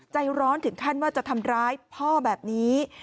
ใจร้อนถึงขั้นว่าจะทำร้ายพ่อแบบนี้